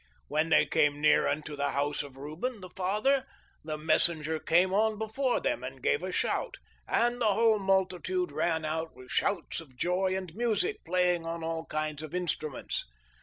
When they came near unto the house of Reuben the father, the messenger came on before them and gave a shout, and the whole multitude ran out with shouts of joy and music, playing on all kinds of instruments.